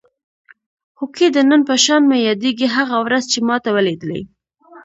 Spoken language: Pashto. هوکې د نن په شان مې یادېږي هغه ورځ چې ما ته ولیدلې.